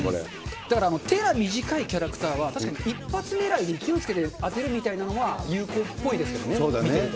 だから手が短いキャラクターは、確かに一発狙いで、勢いつけて当てるみたいなのが有効っぽいですよね、見てると。